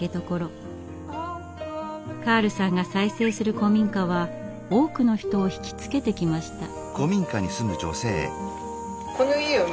カールさんが再生する古民家は多くの人を惹きつけてきました。